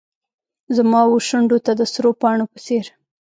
زما وشونډو ته د سرو پاڼو په څیر